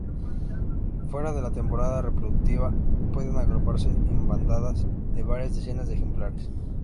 Fuera de la temporada reproductiva pueden agruparse en bandadas de varias decenas de ejemplares.